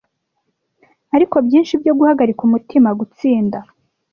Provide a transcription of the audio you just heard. Ariko byinshi byo guhagarika umutima - gutsinda